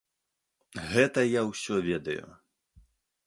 Гэта я ўсё ведаю.